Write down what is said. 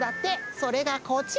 それがこちら！